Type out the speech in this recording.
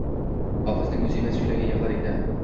Hofizning o’zi emas, yuragi yig’lar edi.